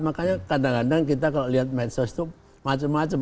makanya kadang kadang kita kalau lihat medsos itu macam macam